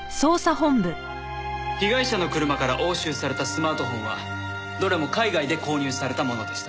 被害者の車から押収されたスマートフォンはどれも海外で購入されたものでした。